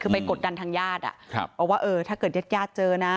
คือไปกดดันทางญาติอ่ะครับเพราะว่าเออถ้าเกิดญาติยาดเจอนะ